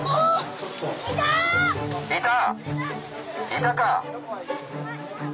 いた！